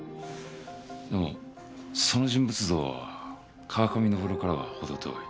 でもその人物像は川上昇からは程遠い。